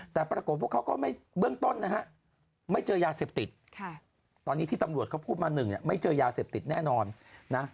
แต่ปรากฏพวกเขาก็ไม่เบื้องต้นนะฮะไม่เจอยาเสพติดตอนนี้ที่ตำรวจเขาพูดมาหนึ่งเนี่ยไม่เจอยาเสพติดแน่นอนนะ